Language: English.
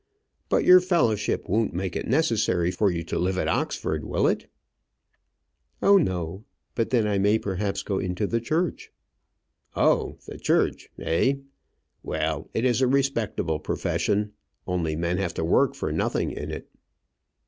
But your fellowship won't make it necessary for you to live at Oxford, will it?" "Oh, no. But then I may perhaps go into the church." "Oh, the church, eh? Well, it is a respectable profession; only men have to work for nothing in it."